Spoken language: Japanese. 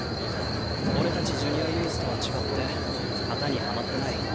俺たちジュニアユースとは違って型にはまってない。